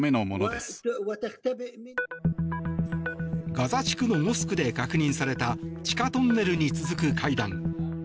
ガザ地区のモスクで確認された地下トンネルに続く階段。